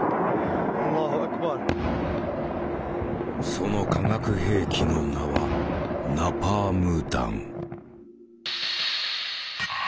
その化学兵器の名はナパーム弾。